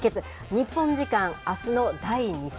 日本時間あすの第２戦。